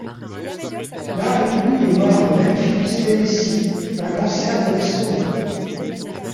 Larry Lee est mort à Memphis, Tennessee d'un cancer de l'estomac.